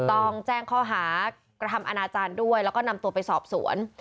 ต้องแจ้งข้อหากระทำอนาจารย์ด้วยแล้วก็นำตัวไปสอบสวน